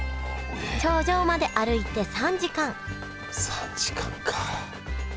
頂上まで歩いて３時間３時間か。